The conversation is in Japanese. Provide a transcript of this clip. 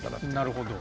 なるほど。